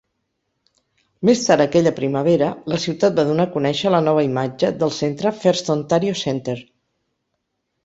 Més tard aquella primavera, la ciutat va donar a conèixer la nova imatge del centre FirstOntario Centre.